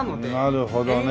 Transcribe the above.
なるほどね。